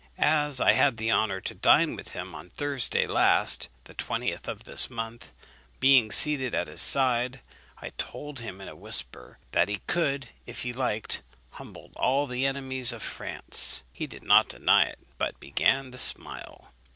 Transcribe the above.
As I had the honour to dine with him on Thursday last, the 20th of this month, being seated at his side, I told him in a whisper that he could, if he liked, humble all the enemies of France. He did not deny it, but began to smile.